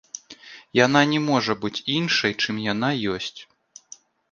Яна не можа быць іншай, чым яна ёсць.